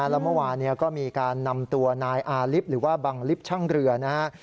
แล้วเมื่อวานก็มีการนำตัวนายอาลิฟต์หรือว่าบังลิฟต์ช่างเรือนะครับ